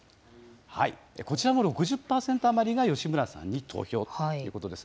こちらも６０％余りが吉村さんに投票ということです。